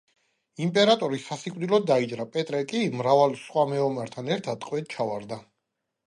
იმპერატორი სასიკვდილოდ დაიჭრა, პეტრე კი, მრავალ სხვა მეომართან ერთად, ტყვედ ჩავარდა.